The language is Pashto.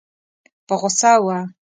په غوسه وه.